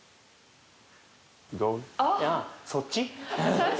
そっち？